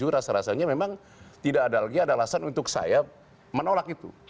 rasa rasanya memang tidak ada lagi ada alasan untuk saya menolak itu